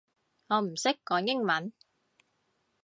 我唔識講英文